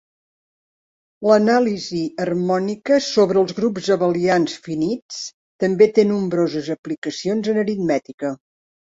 L'anàlisi harmònica sobre els grups abelians finits també té nombroses aplicacions en aritmètica.